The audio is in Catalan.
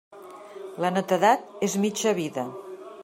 La netedat és mitja vida.